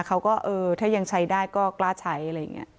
เขาก็เออถ้ายังใช้ได้ก็กล้าใช้อะไรอย่างนี้